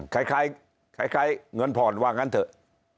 คล้ายเงินผ่อนว่างั้นเถอะ